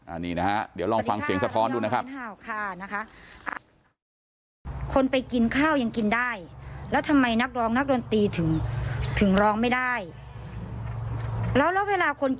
อันนี้นะฮะเดี๋ยวลองฟังเสียงสะท้อนดูนะครับ